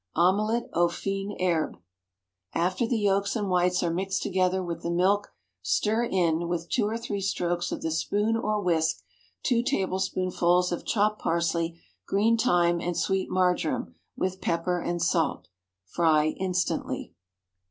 OMELETTE AUX FINES HERBES. After the yolks and whites are mixed together with the milk, stir in, with two or three strokes of the spoon or whisk, two tablespoonfuls of chopped parsley, green thyme, and sweet marjoram, with pepper and salt. Fry instantly.